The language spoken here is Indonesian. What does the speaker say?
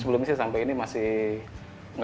sebelumnya sih sampai ini masih gak ngijinin gitu